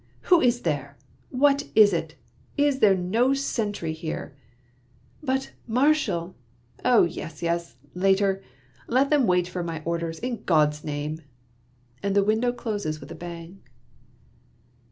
Who is there? What is it? Is there no sentry here?" " But, Marshal —"" Oh, yes, yes — later — let them wait for my orders — in God's name !" And the window closes with a bang.